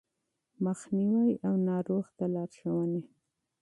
مخنيوی او ناروغ ته لارښوونې